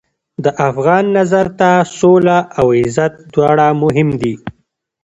د افغان نظر ته سوله او عزت دواړه مهم دي.